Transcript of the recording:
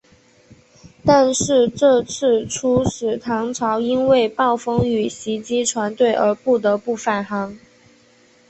但是这次出使唐朝因为暴风雨袭击船队而不得不返航。